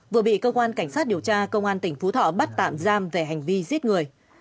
vừa bị cơ quan cảnh sát điều tra công an tỉnh phú thọ bắt tạm giam về hành vi giết người